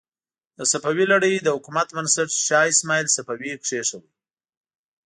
د صفوي لړۍ د حکومت بنسټ شاه اسماعیل صفوي کېښود.